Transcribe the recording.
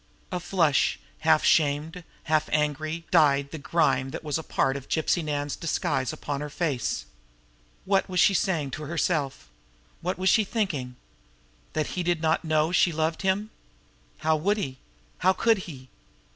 A flush, half shamed, half angry, dyed the grime that was part of Gypsy Nan's disguise upon her face. What was she saying to herself? What was she thinking? That he did not know she loved him! How would he? How could he?